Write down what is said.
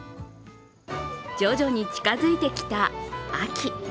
徐々に近付いてきた秋。